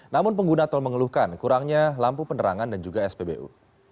namun pengguna tol mengeluhkan kurangnya lampu penerangan dan juga spbu